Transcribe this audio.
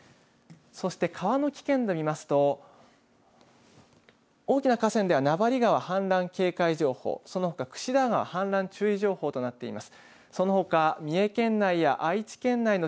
そして川の危険度、見ますと大きな河川では名張川、氾濫警戒情報、そのほか櫛田川、氾濫注意情報となっています。